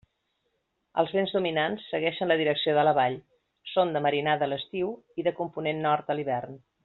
Els vents dominants segueixen la direcció de la vall; són de marinada a l'estiu i de component nord a l'hivern.